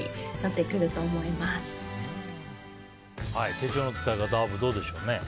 手帳の使い方アブ、どうでしょうね。